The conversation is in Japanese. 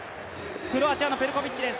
クロアチアのペルコビッチ